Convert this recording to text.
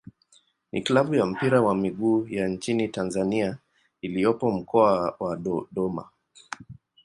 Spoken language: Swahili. ni klabu ya mpira wa miguu ya nchini Tanzania iliyopo Mkoa wa Dodoma.